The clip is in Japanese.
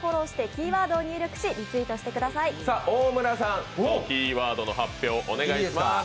大村さん、キーワードの発表をお願いします。